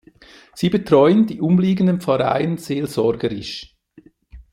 Sie betreuen die umliegenden Pfarreien seelsorgerisch.